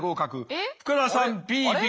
福田さんＢＢ。